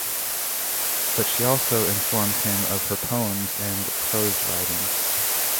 But she also informs him of her poems and prose writings.